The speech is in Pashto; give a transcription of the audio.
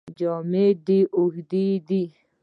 جامې دې اوږدې دي.